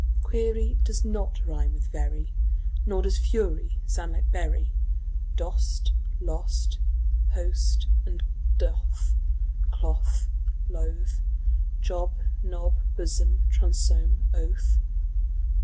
Query does not rime with very, Nor does fury sound like bury. Dost, lost, post and doth, cloth, loth; Job, Job, blossom, bosom, oath.